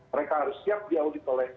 mereka harus siap diaudit oleh